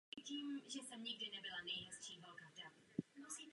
Jejich situace byla odlišná od situace kněží ve městech.